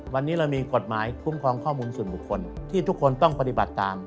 วันนี้เรามีกฎหมายคุ้มครองข้อมูลส่วนบุคคลที่ทุกคนต้องปฏิบัติตาม